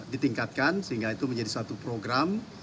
ditingkatkan sehingga itu menjadi satu program